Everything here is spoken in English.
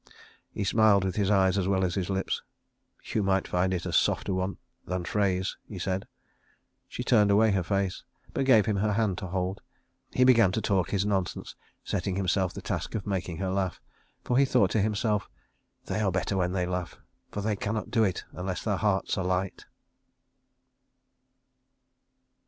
He smiled with his eyes as well as his lips. "You might find it a softer one than Frey's," he said. She turned away her face, but gave him her hand to hold. He began to talk his nonsense, setting himself the task of making her laugh; for he thought to himself, "They are better when they laugh, for they cannot do it unless their hearts are light."